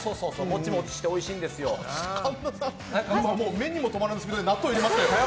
目にも留まらぬスピードで納豆を入れましたね。